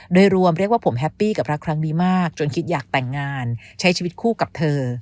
โดยรวมเรียกว่าผมแฮปปี้กับรักครั้งนี้มากจนคิดอยากแต่งงานใช้ชีวิตคู่กับเธอ